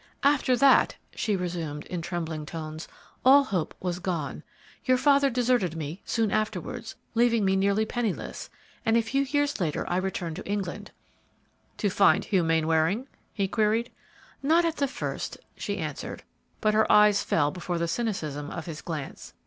"After that," she resumed, in trembling tones, "all hope was gone. Your father deserted me soon afterwards, leaving me nearly penniless, and a flew years later I returned to England." "To find Hugh Mainwaring?" he queried. "Not at the first," she answered, but her eyes fell before the cynicism of his glance.